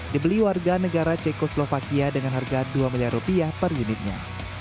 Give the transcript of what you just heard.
dibeli warga negara ceko slovakia dengan harga dua miliar rupiah per unitnya